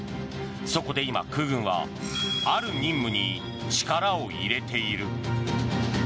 そこで今、空軍はある任務に力を入れている。